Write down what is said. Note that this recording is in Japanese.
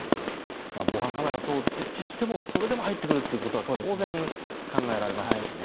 防犯カメラ等を設置しても入ってくることは当然、考えられますしね。